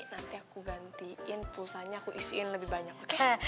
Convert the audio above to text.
nanti aku gantiin pulsanya aku isiin lebih banyak